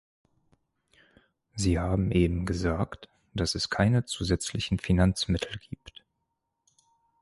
Sie haben eben gesagt, dass es keine zusätzlichen Finanzmittel gibt.